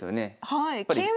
はい。